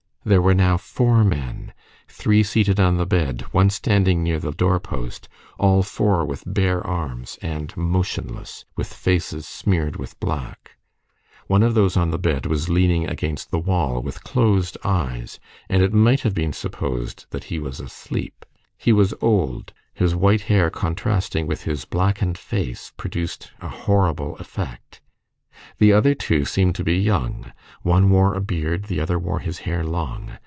There were now four men, three seated on the bed, one standing near the door post, all four with bare arms and motionless, with faces smeared with black. One of those on the bed was leaning against the wall, with closed eyes, and it might have been supposed that he was asleep. He was old; his white hair contrasting with his blackened face produced a horrible effect. The other two seemed to be young; one wore a beard, the other wore his hair long.